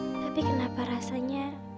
tapi kenapa rasanya